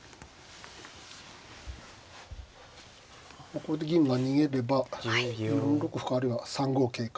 これで銀が逃げれば４六歩かあるいは３五桂か。